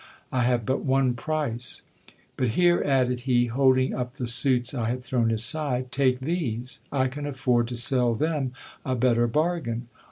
I have but one price. But here, added he, holding up the suits I had thrown aside ; take these : I can afford to sell them a better bargain.